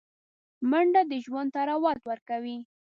منډه د ژوند طراوت ورکوي